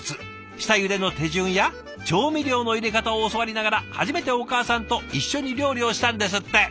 下ゆでの手順や調味料の入れ方を教わりながら初めてお母さんと一緒に料理をしたんですって。